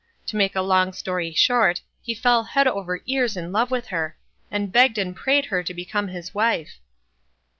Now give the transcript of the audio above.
To make a long story short, he fell over head and ears in love with her, and begged and prayed her to become his wife.